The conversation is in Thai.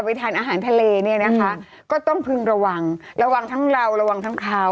เคยอย่างนี้เค้าพูดข้างเสียคอนเตี๊ยง